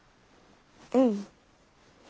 うん。